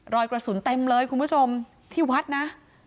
รอยกระสุนเต็มเลยคุณผู้ชมที่วัดนะ